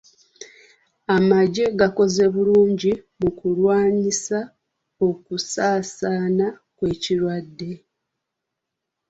Amagye gakoze bulungi mu kulwanyisa okusaasaana kw'ekirwadde.